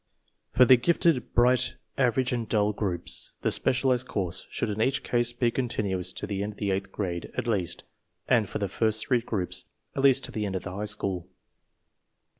""For the gifted, bright, average, and dull groups, the specialized course should in each case be continuous to the end of the eighth grade, at least, and for the first :] three groups at least to the end of the high school.